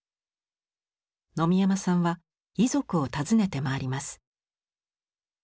野見山さんは遺族を訪ねて回ります。